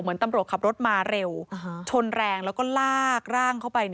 ตำรวจขับรถมาเร็วชนแรงแล้วก็ลากร่างเข้าไป